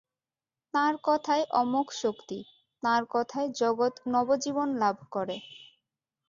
তাঁর কথায় অমোঘ শক্তি, তাঁর কথায় জগৎ নবজীবন লাভ করে।